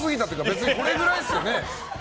別にこれくらいですよね。